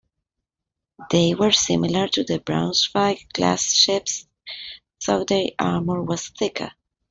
They were similar to the "Braunschweig"-class ships, though their armor was thicker.